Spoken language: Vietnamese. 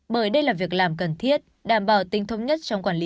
bởi đây là việc làm cần thiết đảm bảo tính thống nhất trong quản lý